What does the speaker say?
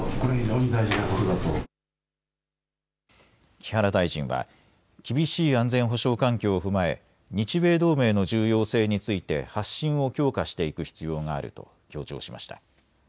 木原大臣は厳しい安全保障環境を踏まえ日米同盟の重要性について発信を強化していく必要があると強調しました。